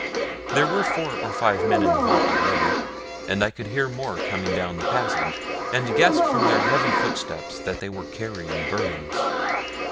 There were four or five men in the vault already, and I could hear more coming down the passage, and guessed from their heavy footsteps that they were carrying burdens.